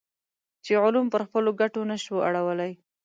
چې علوم پر خپلو ګټو نه شو اړولی.